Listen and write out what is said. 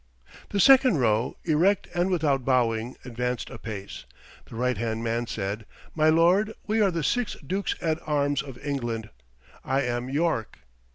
The second row, erect and without bowing, advanced a pace. The right hand man said, "My lord, we are the six Dukes at Arms of England. I am York."